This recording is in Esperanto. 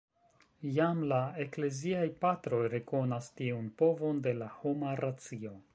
Jam la Ekleziaj Patroj rekonas tiun povon de la homa racio.